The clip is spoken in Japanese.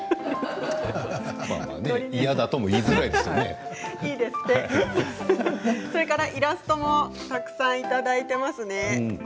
嫌だともそれからイラストもたくさんいただいていますね。